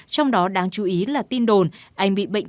trong đó đáng chú ý là tin đồn anh bị bệnh